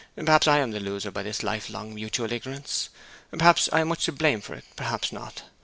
Perhaps I am the loser by this life long mutual ignorance. Perhaps I am much to blame for it; perhaps not.